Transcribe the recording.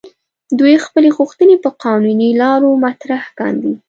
دوی خپلې غوښتنې په قانوني لارو مطرح کاندي.